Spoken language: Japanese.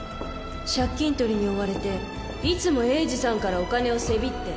借金とりに追われていつも栄治さんからお金をせびって